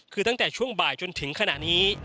คือตั้งแต่ช่วงบ่ายจนถึงขณะนี้